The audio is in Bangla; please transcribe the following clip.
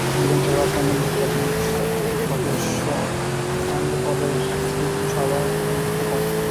বিধানসভা কেন্দ্রের নির্বাচিত সদস্য অন্ধ্রপ্রদেশ বিধানসভাতে প্রতিনিধিত্ব করে।